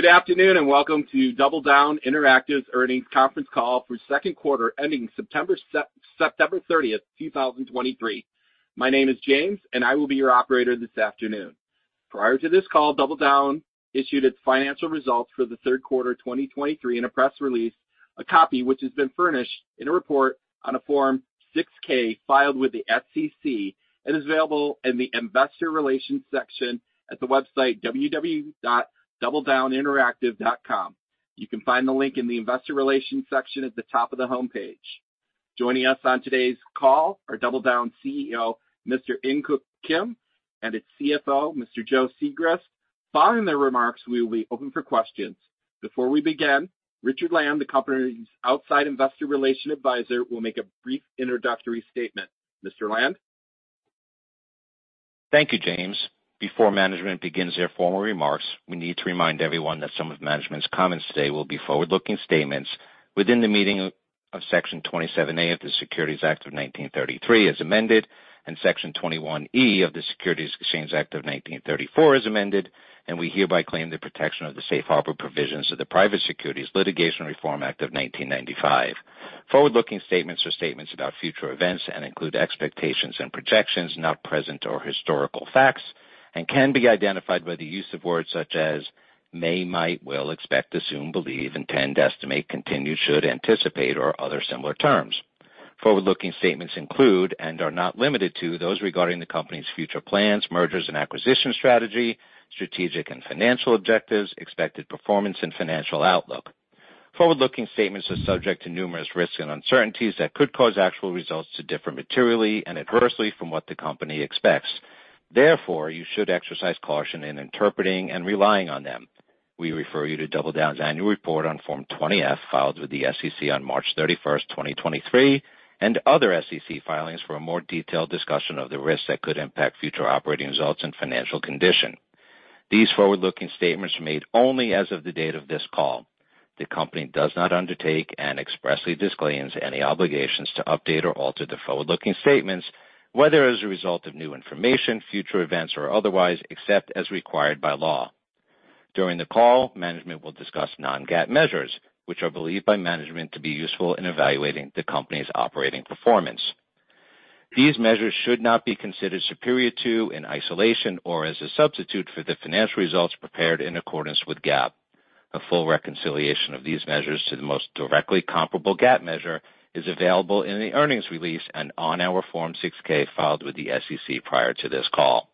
Good afternoon, and welcome to DoubleDown Interactive's Earnings Conference Call for second quarter ending September 30th, 2023. My name is James, and I will be your operator this afternoon. Prior to this call, DoubleDown issued its financial results for the third quarter of 2023 in a press release, a copy which has been furnished in a report on a Form 6-K filed with the SEC and is available in the investor relations section at the website www.doubledowninteractive.com. You can find the link in the investor relations section at the top of the homepage. Joining us on today's call are DoubleDown's CEO, Mr. In Keuk Kim, and its CFO, Mr. Joe Sigrist. Following their remarks, we will be open for questions. Before we begin, Richard Land, the company's outside Investor Relations Advisor, will make a brief introductory statement. Mr. Land? Thank you, James. Before management begins their formal remarks, we need to remind everyone that some of management's comments today will be forward-looking statements within the meaning of Section 27A of the Securities Act of 1933, as amended, and Section 21E of the Securities Exchange Act of 1934, as amended, and we hereby claim the protection of the safe harbor provisions of the Private Securities Litigation Reform Act of 1995. Forward-looking statements are statements about future events and include expectations and projections, not present or historical facts, and can be identified by the use of words such as may, might, will, expect, assume, believe, intend, estimate, continue, should, anticipate, or other similar terms. Forward-looking statements include, and are not limited to, those regarding the company's future plans, mergers and acquisition strategy, strategic and financial objectives, expected performance and financial outlook. Forward-looking statements are subject to numerous risks and uncertainties that could cause actual results to differ materially and adversely from what the company expects. Therefore, you should exercise caution in interpreting and relying on them. We refer you to DoubleDown's annual report on Form 20-F, filed with the SEC on March 31, 2023, and other SEC filings for a more detailed discussion of the risks that could impact future operating results and financial condition. These forward-looking statements are made only as of the date of this call. The company does not undertake and expressly disclaims any obligations to update or alter the forward-looking statements, whether as a result of new information, future events, or otherwise, except as required by law. During the call, management will discuss non-GAAP measures, which are believed by management to be useful in evaluating the company's operating performance. These measures should not be considered superior to, in isolation, or as a substitute for the financial results prepared in accordance with GAAP. A full reconciliation of these measures to the most directly comparable GAAP measure is available in the earnings release and on our Form 6-K, filed with the SEC prior to this call.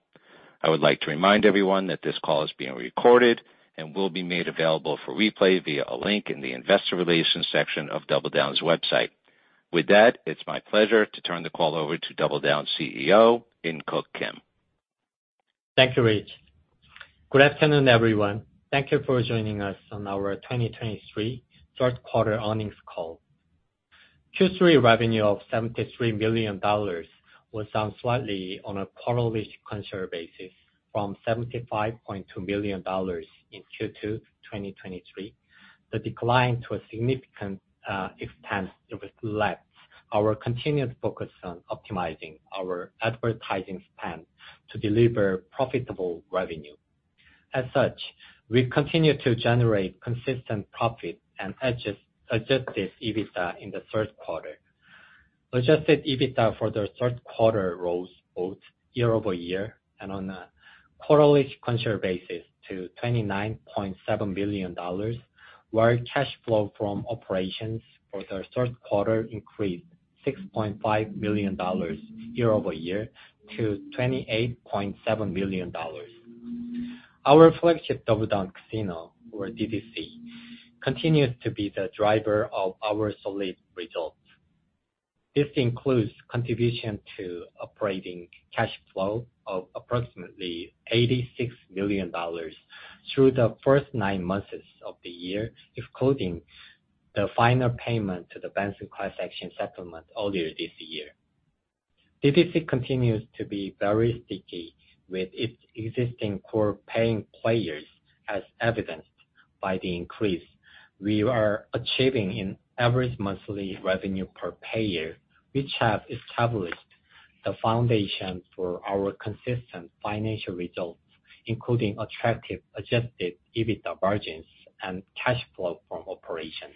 I would like to remind everyone that this call is being recorded and will be made available for replay via a link in the investor relations section of DoubleDown's website. With that, it's my pleasure to turn the call over to DoubleDown's CEO, In Keuk Kim. Thank you, Rich. Good afternoon, everyone. Thank you for joining us on our 2023 third quarter earnings call. Q3 revenue of $73 million was down slightly on a quarter-over-quarter basis from $75.2 million in Q2 2023. The decline to a significant extent reflects our continued focus on optimizing our advertising spend to deliver profitable revenue. As such, we've continued to generate consistent profit and adjusted EBITDA in the third quarter. Adjusted EBITDA for the third quarter rose both year-over-year and on a quarterly sequential basis to $29.7 million, while cash flow from operations for the third quarter increased $6.5 million year-over-year to $28.7 million. Our flagship DoubleDown Casino, or DDC, continues to be the driver of our solid results. This includes contribution to operating cash flow of approximately $86 million through the first nine months of the year, including the final payment to the Benson class action settlement earlier this year. DDC continues to be very sticky with its existing core paying players, as evidenced by the increase we are achieving in average monthly revenue per payer, which have established the foundation for our consistent financial results, including attractive adjusted EBITDA margins and cash flow from operations.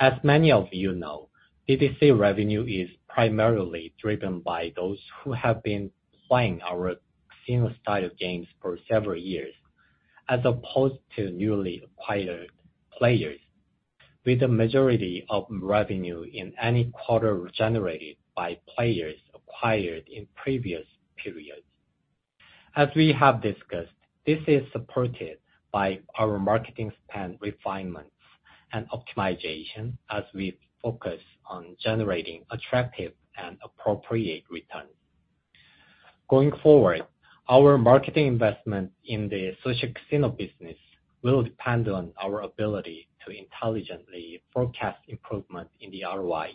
As many of you know, DDC revenue is primarily driven by those who have been playing our casino-style games for several years, as opposed to newly acquired players, with the majority of revenue in any quarter generated by players acquired in previous periods. As we have discussed, this is supported by our marketing spend refinements and optimization as we focus on generating attractive and appropriate returns. Going forward, our marketing investment in the social casino business will depend on our ability to intelligently forecast improvement in the ROI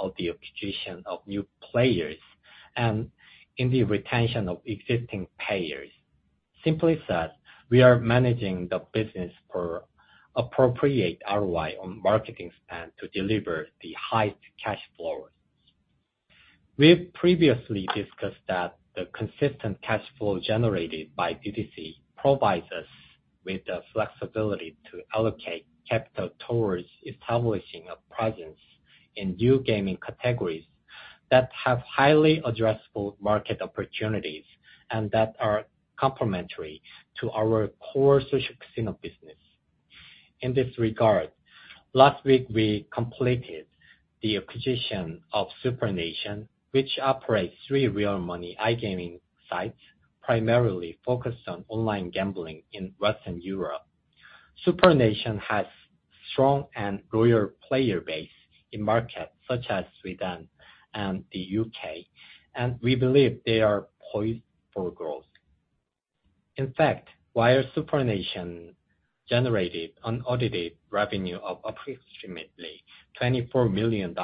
of the acquisition of new players and in the retention of existing players. Simply said, we are managing the business for appropriate ROI on marketing spend to deliver the highest cash flows. We've previously discussed that the consistent cash flow generated by DDC provides us with the flexibility to allocate capital towards establishing a presence in new gaming categories that have highly addressable market opportunities and that are complementary to our core social casino business. In this regard, last week, we completed the acquisition of SuprNation, which operates three real money iGaming sites, primarily focused on online gambling in Western Europe. SuprNation has a strong and loyal player base in markets such as Sweden and the U.K., and we believe they are poised for growth. In fact, while SuprNation generated unaudited revenue of approximately $24 million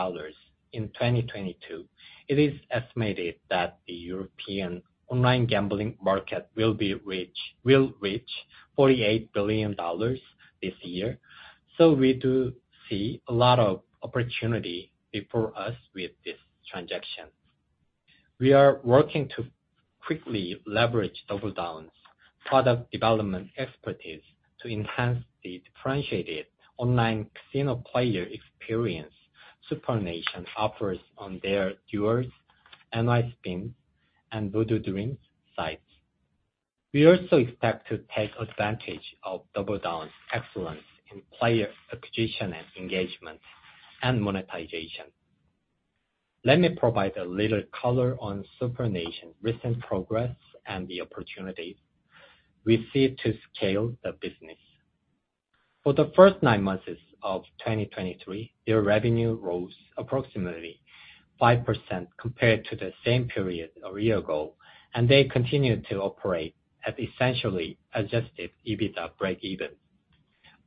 in 2022, it is estimated that the European online gambling market will reach $48 billion this year. So we do see a lot of opportunity before us with this transaction. We are working to quickly leverage DoubleDown's product development expertise to enhance the differentiated online casino player experience SuprNation offers on their Duelz, NYSpins, and VoodooDreams sites. We also expect to take advantage of DoubleDown's excellence in player acquisition and engagement and monetization. Let me provide a little color on SuprNation's recent progress and the opportunities we see to scale the business. For the first nine months of 2023, their revenue rose approximately 5% compared to the same period a year ago, and they continued to operate at essentially Adjusted EBITDA breakeven.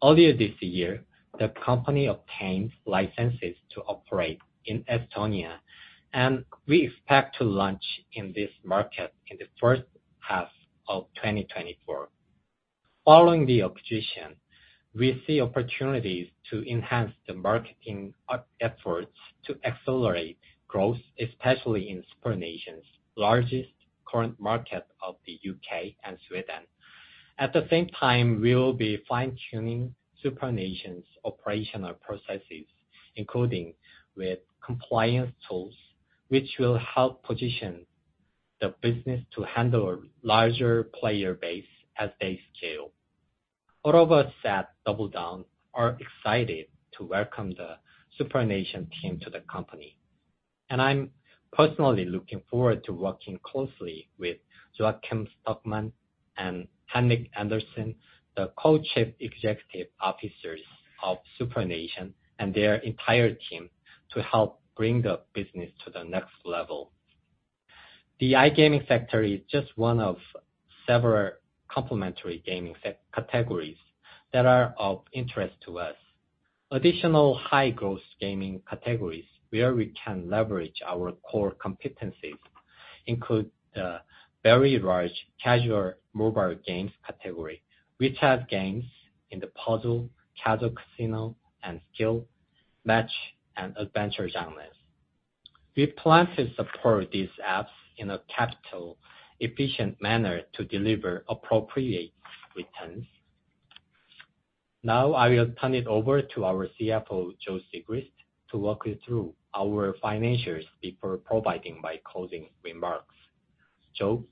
Earlier this year, the company obtained licenses to operate in Estonia, and we expect to launch in this market in the first half of 2024. Following the acquisition, we see opportunities to enhance the marketing efforts to accelerate growth, especially in SuprNation's largest current market of the U.K. and Sweden. At the same time, we will be fine-tuning SuprNation's operational processes, including with compliance tools, which will help position the business to handle a larger player base as they scale. All of us at DoubleDown are excited to welcome the SuprNation team to the company, and I'm personally looking forward to working closely with Joakim Stockman and Henric Andersson, the Co-Chief Executive Officers of SuprNation, and their entire team to help bring the business to the next level. The iGaming sector is just one of several complementary gaming sectors categories that are of interest to us. Additional high-growth gaming categories where we can leverage our core competencies include the very large casual mobile games category, which has games in the puzzle, casual casino, and skill, match, and adventure genres. We plan to support these apps in a capital-efficient manner to deliver appropriate returns. Now, I will turn it over to our CFO, Joe Sigrist, to walk you through our financials before providing my closing remarks. Joe?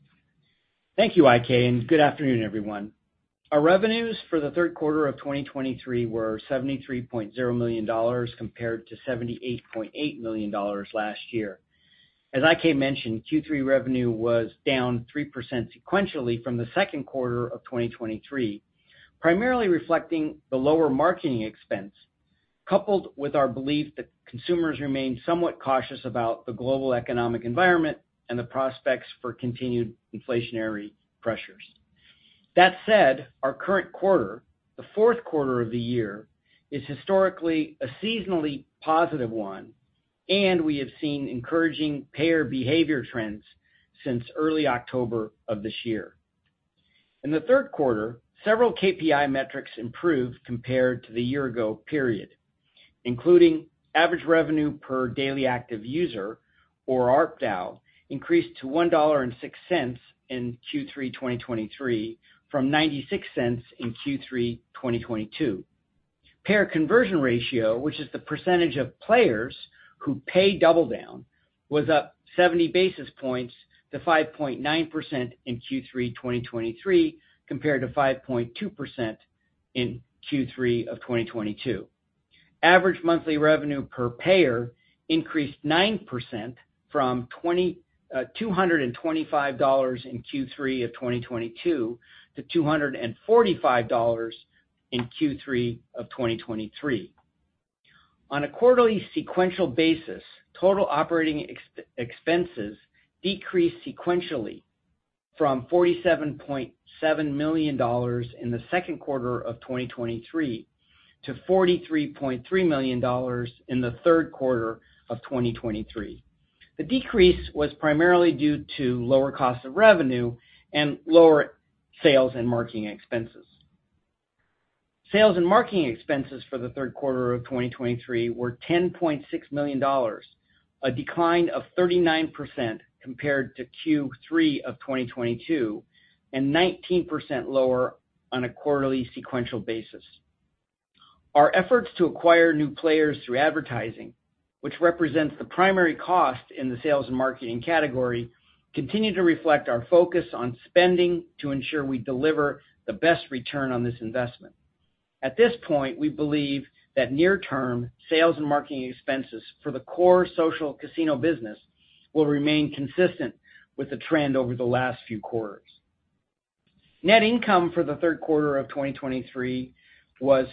Thank you, IK, and good afternoon, everyone. Our revenues for the third quarter of 2023 were $73.0 million, compared to $78.8 million last year. As IK mentioned, Q3 revenue was down 3% sequentially from the second quarter of 2023, primarily reflecting the lower marketing expense, coupled with our belief that consumers remain somewhat cautious about the global economic environment and the prospects for continued inflationary pressures. That said, our current quarter, the fourth quarter of the year, is historically a seasonally positive one, and we have seen encouraging payer behavior trends since early October of this year. In the third quarter, several KPI metrics improved compared to the year-ago period, including average revenue per daily active user, or ARPDAU, increased to $1.06 in Q3 2023, from $0.96 in Q3 2022. Payer conversion ratio, which is the percentage of players who pay DoubleDown, was up 70 basis points to 5.9% in Q3 2023, compared to 5.2% in Q3 of 2022. Average monthly revenue per payer increased 9% from $225 in Q3 of 2022 to $245 in Q3 of 2023. On a quarterly sequential basis, total operating expenses decreased sequentially from $47.7 million in the second quarter of 2023 to $43.3 million in the third quarter of 2023. The decrease was primarily due to lower cost of revenue and lower sales and marketing expenses. Sales and marketing expenses for the third quarter of 2023 were $10.6 million, a decline of 39% compared to Q3 of 2022, and 19% lower on a quarterly sequential basis. Our efforts to acquire new players through advertising, which represents the primary cost in the sales and marketing category, continue to reflect our focus on spending to ensure we deliver the best return on this investment. At this point, we believe that near-term sales and marketing expenses for the core social casino business will remain consistent with the trend over the last few quarters. Net income for the third quarter of 2023 was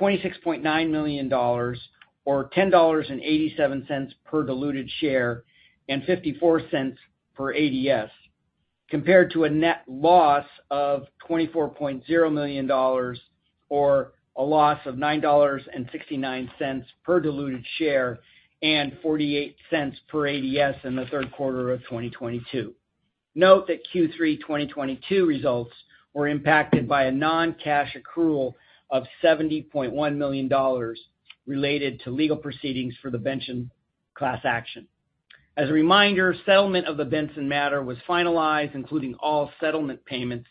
$26.9 million, or $10.87 per diluted share, and $0.54 per ADS, compared to a net loss of $24.0 million, or a loss of $9.69 per diluted share, and $0.48 per ADS in the third quarter of 2022. Note that Q3 2022 results were impacted by a non-cash accrual of $70.1 million related to legal proceedings for the Benson class action. As a reminder, settlement of the Benson matter was finalized, including all settlement payments,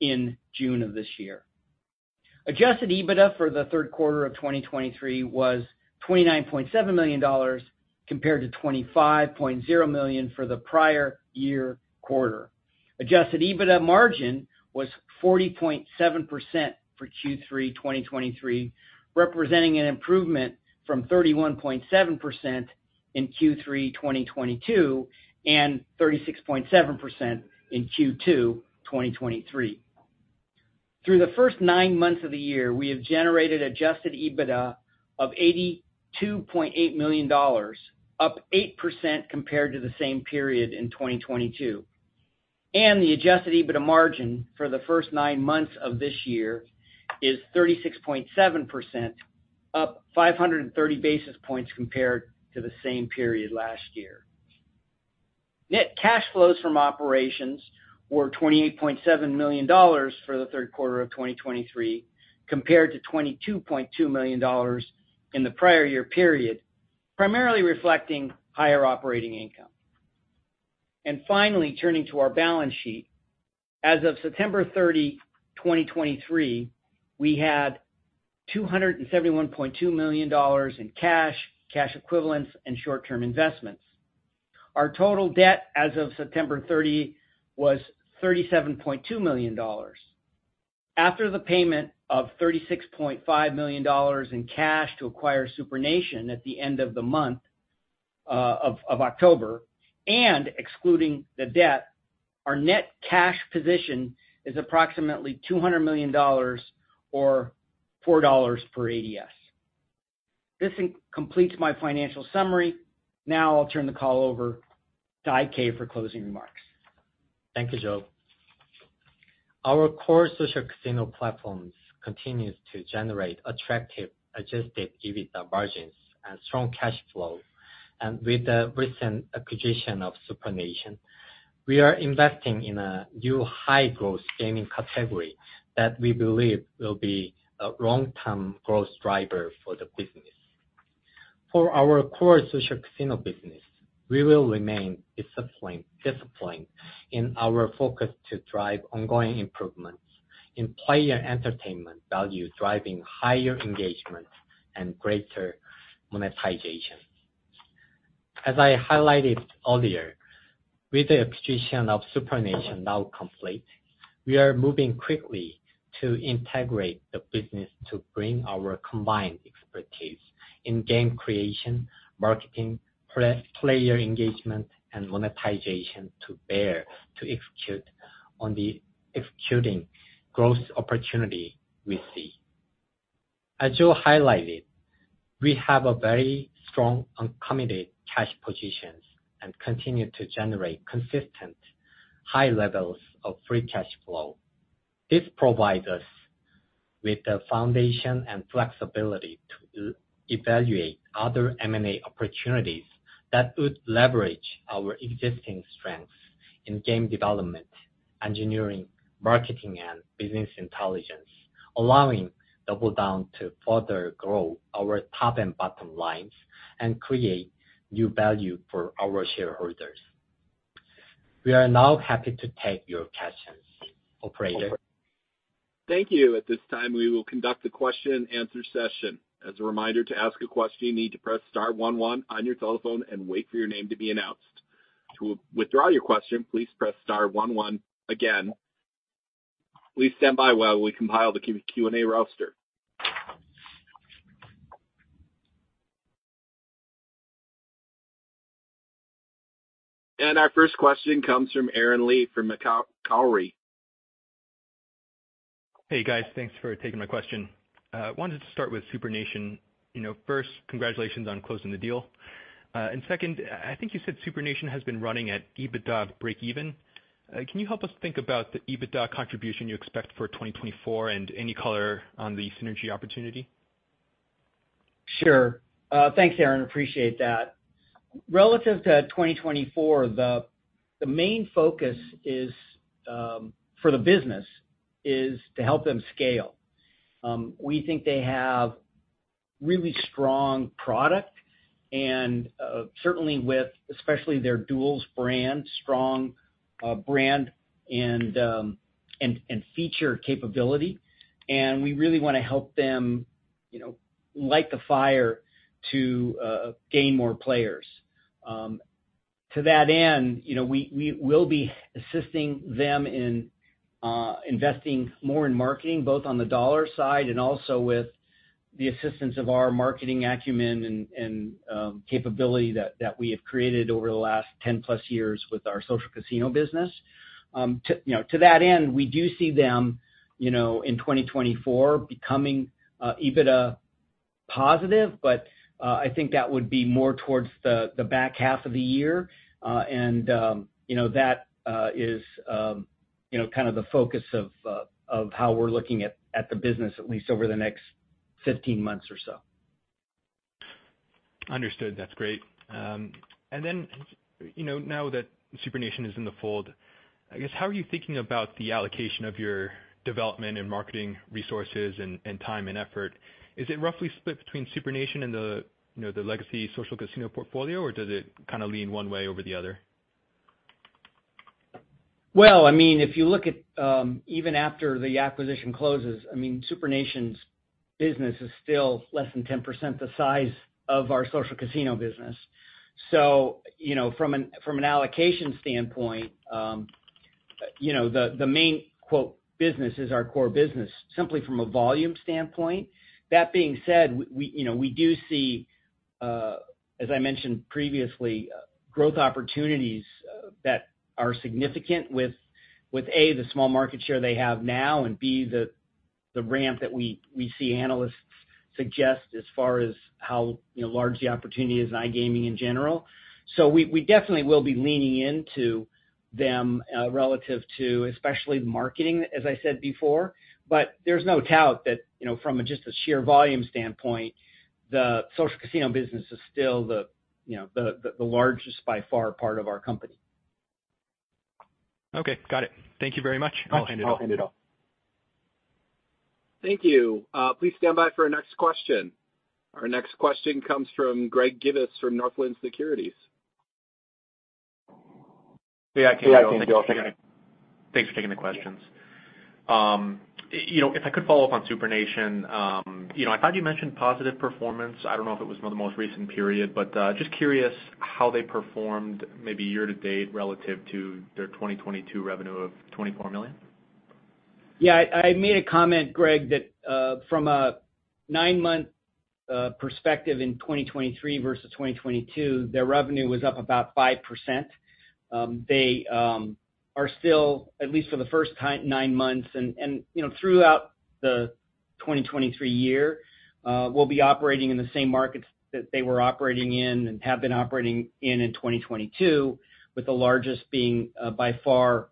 in June of this year. Adjusted EBITDA for the third quarter of 2023 was $29.7 million, compared to $25.0 million for the prior year quarter. Adjusted EBITDA margin was 40.7% for Q3 2023, representing an improvement from 31.7% in Q3 2022, and 36.7% in Q2 2023. Through the first nine months of the year, we have generated adjusted EBITDA of $82.8 million, up 8% compared to the same period in 2022. The adjusted EBITDA margin for the first nine months of this year is 36.7%, up 530 basis points compared to the same period last year. Net cash flows from operations were $28.7 million for the third quarter of 2023, compared to $22.2 million in the prior year period, primarily reflecting higher operating income. Finally, turning to our balance sheet. As of September 30, 2023, we had $271.2 million in cash, cash equivalents, and short-term investments. Our total debt as of September 30 was $37.2 million. After the payment of $36.5 million in cash to acquire SuprNation at the end of the month of October, and excluding the debt, our net cash position is approximately $200 million or $4 per ADS. This completes my financial summary. Now I'll turn the call over to IK for closing remarks. Thank you, Joe. Our core social casino platforms continues to generate attractive Adjusted EBITDA margins and strong cash flow. And with the recent acquisition of SuprNation, we are investing in a new high-growth gaming category that we believe will be a long-term growth driver for the business. For our core social casino business, we will remain discipline, disciplined in our focus to drive ongoing improvements in player entertainment value, driving higher engagement and greater monetization. As I highlighted earlier, with the acquisition of SuprNation now complete, we are moving quickly to integrate the business to bring our combined expertise in game creation, marketing, player engagement, and monetization to bear, to execute on executing growth opportunity we see. As Joe highlighted, we have a very strong uncommitted cash positions and continue to generate consistent high levels of free cash flow. This provides us with the foundation and flexibility to evaluate other M&A opportunities that would leverage our existing strengths in game development, engineering, marketing, and business intelligence, allowing DoubleDown to further grow our top and bottom lines and create new value for our shareholders. We are now happy to take your questions. Operator? Thank you. At this time, we will conduct a question-and-answer session. As a reminder, to ask a question, you need to press star one one on your telephone and wait for your name to be announced. To withdraw your question, please press star one one again. Please stand by while we compile the Q&A roster. Our first question comes from Aaron Lee from Macquarie. Hey, guys. Thanks for taking my question. I wanted to start with SuprNation. You know, first, congratulations on closing the deal. And second, I think you said SuprNation has been running at EBITDA breakeven. Can you help us think about the EBITDA contribution you expect for 2024 and any color on the synergy opportunity? Sure. Thanks, Aaron, appreciate that. Relative to 2024, the main focus is for the business is to help them scale. We think they have really strong product and certainly with, especially their Duelz brand, strong brand and feature capability. And we really want to help them, you know, light the fire to gain more players. To that end, you know, we will be assisting them in investing more in marketing, both on the dollar side and also with the assistance of our marketing acumen and capability that we have created over the last 10+ years with our social casino business. To that end, we do see them, you know, in 2024 becoming EBITDA positive, but I think that would be more towards the back half of the year. And, you know, that is kind of the focus of how we're looking at the business, at least over the next 15 months or so. Understood. That's great. And then, you know, now that SuprNation is in the fold, I guess, how are you thinking about the allocation of your development and marketing resources, and, and time and effort? Is it roughly split between SuprNation and the, you know, the legacy social casino portfolio, or does it kind of lean one way over the other? Well, I mean, if you look at, even after the acquisition closes, I mean, SuprNation's business is still less than 10% the size of our social casino business. So, you know, from an, from an allocation standpoint, you know, the, the main quote, "business" is our core business, simply from a volume standpoint. That being said, we, you know, we do see, as I mentioned previously, growth opportunities, that are significant with, with, A, the small market share they have now, and B, the, the ramp that we, we see analysts suggest as far as how, you know, large the opportunity is in iGaming in general. So we, we definitely will be leaning into them, relative to, especially marketing, as I said before. But there's no doubt that, you know, from just a sheer volume standpoint, the social casino business is still the, you know, the largest, by far, part of our company. Okay, got it. Thank you very much. I'll hand it off. Thank you. Please stand by for our next question. Our next question comes from Greg Gibas from Northland Securities. Hey, Ik. Thanks for taking the questions. You know, if I could follow up on SuprNation, you know, I thought you mentioned positive performance. I don't know if it was the most recent period, but just curious how they performed maybe year to date relative to their 2022 revenue of $24 million. Yeah, I made a comment, Greg, that from a nine-month perspective in 2023 versus 2022, their revenue was up about 5%. They are still, at least for the first time nine months and, you know, throughout the 2023 year, will be operating in the same markets that they were operating in and have been operating in, in 2022, with the largest being, by far,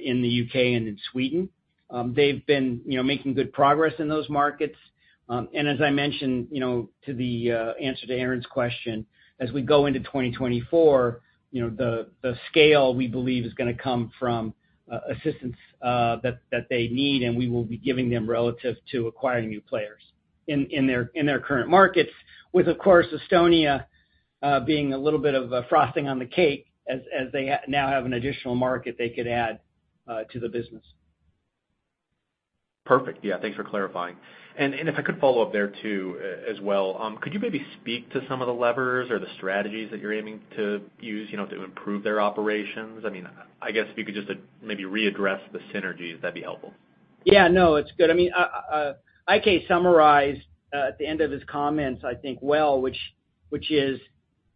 in the U.K. and in Sweden. They've been, you know, making good progress in those markets. And as I mentioned, you know, to the answer to Aaron's question, as we go into 2024, you know, the scale we believe is gonna come from assistance that they need, and we will be giving them relative to acquiring new players in their current markets, with, of course, Estonia being a little bit of frosting on the cake as they now have an additional market they could add to the business. Perfect. Yeah, thanks for clarifying. And if I could follow up there too, as well, could you maybe speak to some of the levers or the strategies that you're aiming to use, you know, to improve their operations? I mean, I guess if you could just, maybe readdress the synergies, that'd be helpful. Yeah, no, it's good. I mean, Ike summarized at the end of his comments, I think, well, which is,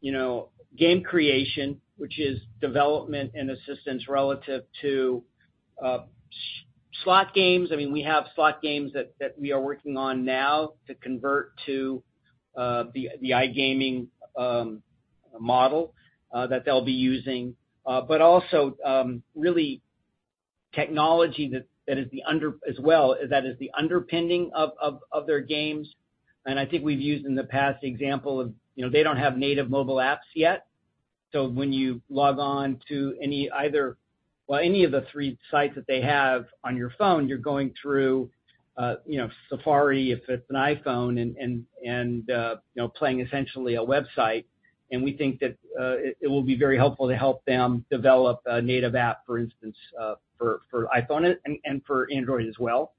you know, game creation, which is development and assistance relative to slot games. I mean, we have slot games that we are working on now to convert to the iGaming model that they'll be using. But also, really technology that is the underpinning of their games. And I think we've used in the past the example of, you know, they don't have native mobile apps yet. So when you log on to any of the three sites that they have on your phone, you're going through, you know, Safari, if it's an iPhone, and playing essentially a website. We think that it will be very helpful to help them develop a native app, for instance, for iPhone and for Android as well.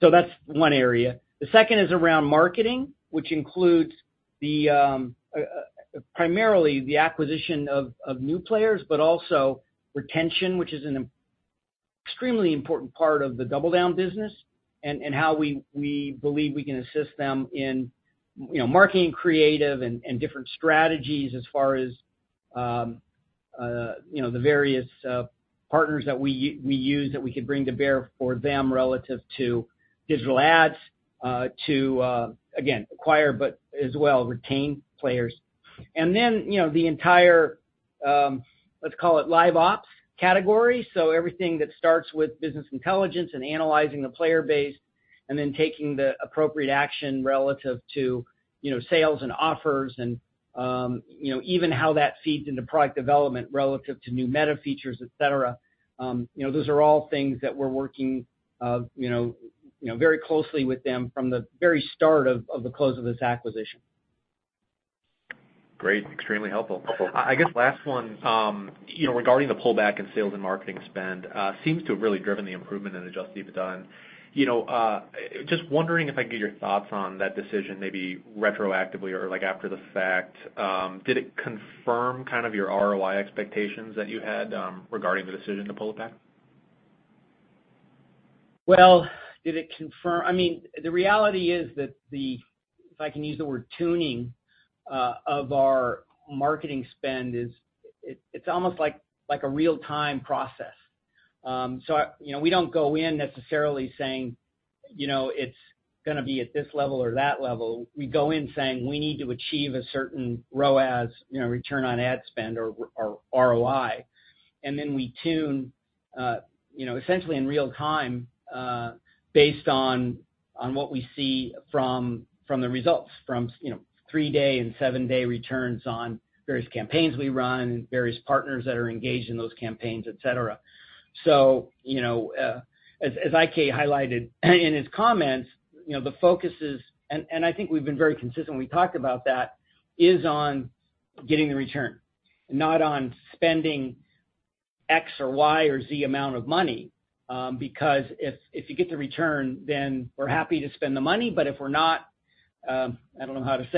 That's one area. The second is around marketing, which includes primarily the acquisition of new players, but also retention, which is an extremely important part of the DoubleDown business, and how we believe we can assist them in, you know, marketing creative and different strategies as far as, you know, the various partners that we use, that we could bring to bear for them relative to digital ads, to again, acquire, but as well, retain players. Then, you know, the entire, let's call it live ops category, so everything that starts with business intelligence and analyzing the player base, and then taking the appropriate action relative to, you know, sales and offers and, you know, even how that feeds into product development relative to new meta features, et cetera. You know, those are all things that we're working, you know, you know, very closely with them from the very start of the close of this acquisition. Great. Extremely helpful. I guess last one, you know, regarding the pullback in sales and marketing spend, seems to have really driven the improvement in Adjusted EBITDA. And, you know, just wondering if I could get your thoughts on that decision, maybe retroactively or, like, after the fact. Did it confirm kind of your ROI expectations that you had, regarding the decision to pull it back? Well, did it confirm? I mean, the reality is that the, if I can use the word tuning, of our marketing spend is. It's almost like, like a real-time process. So, you know, we don't go in necessarily saying, you know, it's gonna be at this level or that level. We go in saying: We need to achieve a certain ROAS, you know, return on ad spend or, or ROI, and then we tune, you know, essentially in real time, based on, on what we see from, from the results, you know, three-day and seven-day returns on various campaigns we run, various partners that are engaged in those campaigns, et cetera. So, you know, as Ike highlighted in his comments, you know, the focus is, I think we've been very consistent when we talked about that, is on getting the return, not on spending X or Y or Z amount of money, because if you get the return, then we're happy to spend the money, but if we're not, I don't know how to say it-